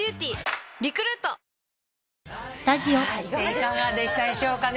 いかがでしたでしょうかね？